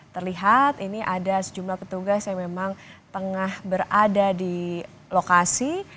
terlihat ini ada sejumlah petugas yang memang tengah berada di lokasi